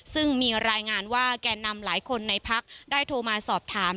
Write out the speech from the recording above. ซึ่งมีรายงานว่าแก่นำหลายคนในพักได้โทรมาสอบถาม